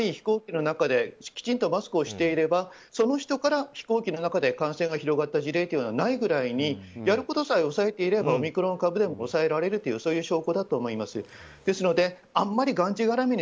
換気のいい飛行機の中でちゃんとマスクをしていればその人から感染が広がった事例というのは、ないぐらいにやることさえ押さえていればオミクロン株でも抑えられるという証拠だと思います。